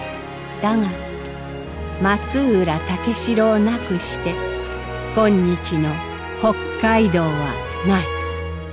だが松浦武四郎なくして今日の北海道はない。